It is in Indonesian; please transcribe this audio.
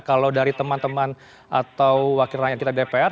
kalau dari teman teman atau wakil rakyat kita dpr